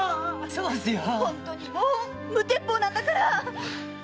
ほんとにもう無鉄砲なんだから！